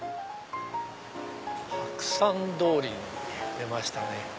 白山通りに出ましたね。